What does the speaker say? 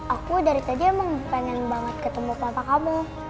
aku dari tadi emang pengen banget ketemu papa kamu